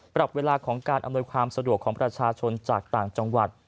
ปรับเวลาของการอำนวยความสะดวกของประชาชนจากต่างจังหวัด